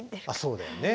そうだよね。